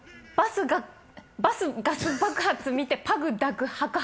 バスガス爆発見てパグ抱く白髪。